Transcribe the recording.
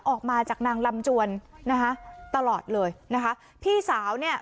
ออกมาจากนางลำจวนนะคะตลอดเลยนะคะพี่สาวเนี่ย